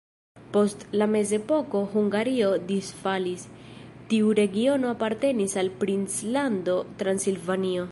Post la mezepoko Hungario disfalis, tiu regiono apartenis al princlando Transilvanio.